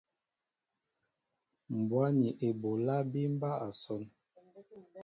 Mbwá ni eɓólá bí mɓá asón.